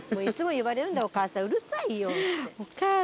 いつも言われるんだお母さんうるさいよって。